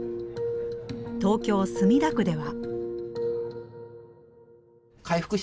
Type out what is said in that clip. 東京・墨田区では。